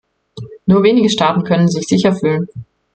Nur wenige Staaten können sich sicher fühlen.